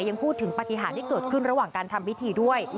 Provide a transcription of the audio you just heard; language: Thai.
ยังพูดถึงปฏิหารที่เกิดขึ้นระหว่างการทำพิธีด้วย